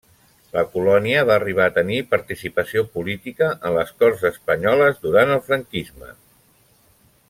La colònia va arribar a tenir participació política en les Corts espanyoles durant el franquisme.